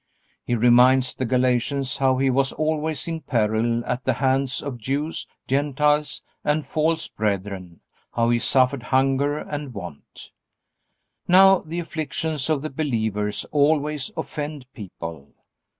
He reminds the Galatians how he was always in peril at the hands of the Jews, Gentiles, and false brethren, how he suffered hunger and want. Now, the afflictions of the believers always offend people.